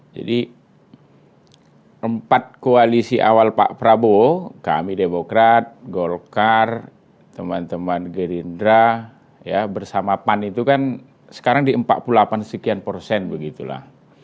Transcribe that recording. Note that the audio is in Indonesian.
jadi empat koalisi awal pak prabowo kami demokrat golkar teman teman gerindra bersama pan itu kan sekarang di empat puluh delapan sekian persen begitulah